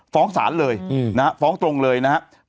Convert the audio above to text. ฟ้องศาลเลยนะฮะฟ้องตรงเลยนะฮะ